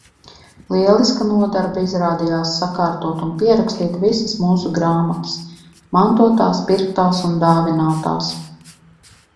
Lieliska nodarbe izrādījās sakārtot un pierakstīt visas mūsu grāmatas – mantotās, pirktās un dāvinātās.